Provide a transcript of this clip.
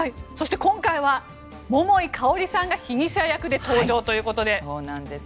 今回は桃井かおりさんが被疑者役で登場ということで。